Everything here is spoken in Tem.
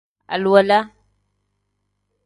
Aliwala.